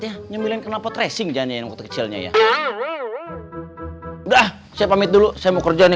ya nyembelin kenal potresing janjin kecilnya ya udah saya pamit dulu saya mau kerja nih